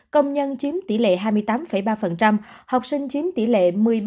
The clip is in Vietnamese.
công nhân chiếm tỷ lệ hai mươi tám ba học sinh chiếm tỷ lệ một mươi ba